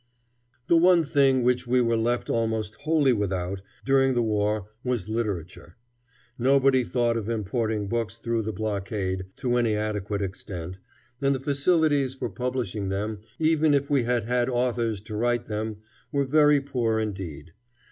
The one thing which we were left almost wholly without, during the war, was literature. Nobody thought of importing books through the blockade, to any adequate extent, and the facilities for publishing them, even if we had had authors to write them, were very poor indeed.